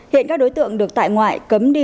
hiện các đối tượng được tại ngoại cấm đi